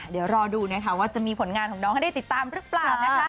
เดี๋ยวรอดูนะคะว่าจะมีผลงานของน้องให้ได้ติดตามหรือเปล่านะคะ